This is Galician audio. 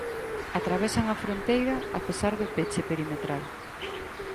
Atravesan a fronteira a pesar do peche perimetral.